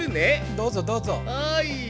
どうぞどうぞ。